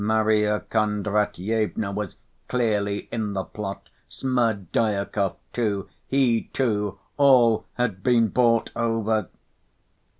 Marya Kondratyevna was clearly in the plot, Smerdyakov too, he too, all had been bought over!"